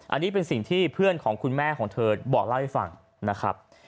อันนี้เป็นสิ่งที่เพื่อนของคุณแม่ของเธอบอกเล่าให้ฟังนะครับ